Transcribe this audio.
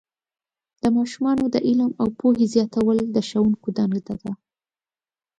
د ماشومانو د علم او پوهې زیاتول د ښوونکو دنده ده.